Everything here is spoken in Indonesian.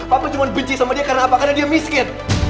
papa cuma benci sama dia karena apa karena dia miskin